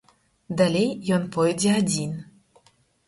Далей ён пойдзе адзін.